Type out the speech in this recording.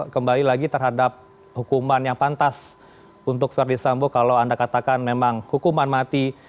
kembali lagi terhadap hukuman yang pantas untuk verdi sambo kalau anda katakan memang hukuman mati